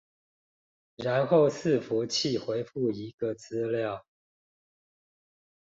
然後伺服器回覆一個資料